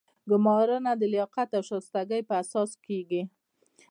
ګمارنه د لیاقت او شایستګۍ په اساس کیږي.